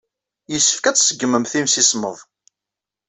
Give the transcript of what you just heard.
Yessefk ad tṣeggmemt imsismeḍ.